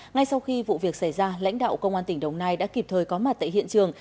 ngay sau khi vụ việc xảy ra lãnh đạo công an tỉnh đồng nai đã kịp thời có mặt tại hiện trường